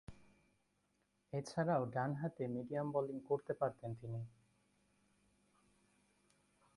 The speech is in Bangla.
এছাড়াও ডানহাতে মিডিয়াম বোলিং করতে পারতেন তিনি।